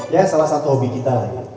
ya salah satu hobi kita